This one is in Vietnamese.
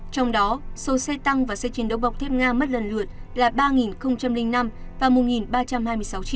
trong đó số xe tăng và xe chiến đấu bọc thép nga mất lần lượt là ba năm và một ba trăm hai mươi sáu chiếc